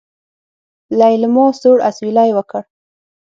ليلما سوړ اسوېلی وکړ.